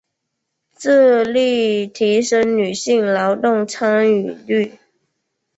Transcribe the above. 致力於提升女性劳动参与率